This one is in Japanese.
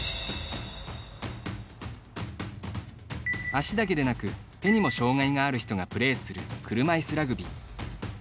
足だけでなく、手にも障がいがある人がプレーする車いすラグビー。